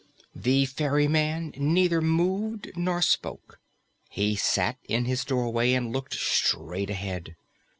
The ferryman neither moved nor spoke. He sat in his doorway and looked straight ahead.